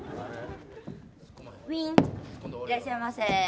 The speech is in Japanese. いらっしゃいませ。